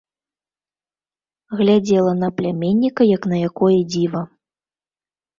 Глядзела на пляменніка, як на якое дзіва.